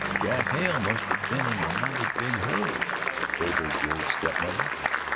"Jack Hale must have been in a mighty big hurry," quavered the old step mother.